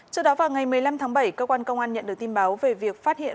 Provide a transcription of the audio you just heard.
trước đó vào ngày một mươi năm tháng bảy cơ quan công an nhận được tin báo về việc phát hiện